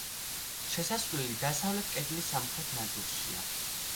შესასვლელი დასავლეთ კედლის სამხრეთ ნაწილშია.